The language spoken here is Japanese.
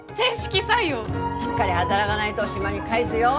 しっかり働がないど島に帰すよ！